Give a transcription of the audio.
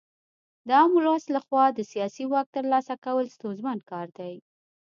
د عام ولس لخوا د سیاسي واک ترلاسه کول ستونزمن کار دی.